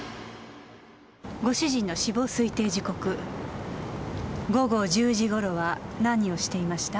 ご主人の死亡推定時刻午後１０時頃は何をしていました？